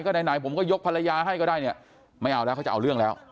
ไหนผมก็ยกภรรยาให้ก็ได้เนี่ยไม่เอาแล้วเขาจะเอาเรื่องแล้ว